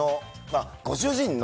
ご主人の。